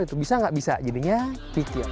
itu bisa nggak bisa jadinya pikir